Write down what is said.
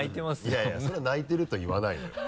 いやいやそれは泣いてると言わないのよ。